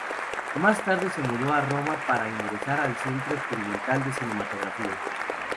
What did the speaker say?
Más tarde se mudó a Roma para ingresar al Centro Experimental de Cinematografía.